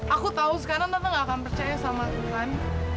aku tahu sekarang tante nggak akan percaya sama tuhan